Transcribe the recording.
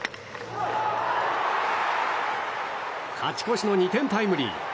勝ち越しの２点タイムリー！